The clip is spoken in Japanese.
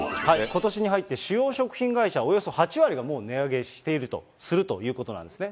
ことしに入って主要食品会社、およそ８割がもう値上げしていると、するということなんですね。